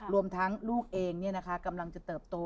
รวมทั้งลูกเองกำลังจะเติบโต